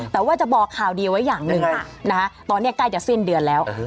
แต่ว่าจะบอกข่าวดีไว้อย่างหนึ่งตอนนี้ใกล้จะสิ้นเดือนแล้ว